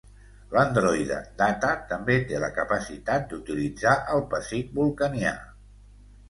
L'androide Data també té la capacitat d'utilitzar el pessic vulcanià.